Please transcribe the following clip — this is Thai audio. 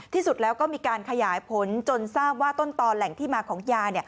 ที่สุดแล้วก็มีการขยายผลจนทราบว่าต้นต่อแหล่งที่มาของยา